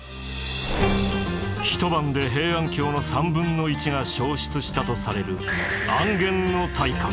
一晩で平安京の３分の１が焼失したとされる安元の大火。